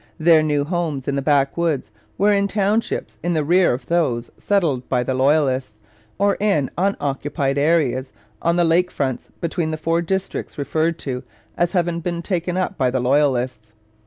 Their new homes in the backwoods were in townships in the rear of those settled by the loyalists, or in unoccupied areas lying on the lake fronts between the four districts referred to as having been taken up by the loyalists.